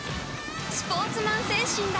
スポーツマン精神だ！